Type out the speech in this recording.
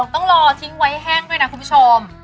ต้องรอทิ้งไว้แห้งด้วยนะคุณผู้ชม